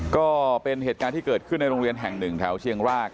ก็เป็นเหตุการณ์ที่เกิดขึ้นในโรงเรียนแห่งหนึ่งแถวเชียงราก